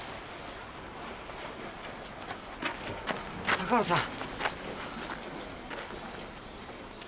高原さん。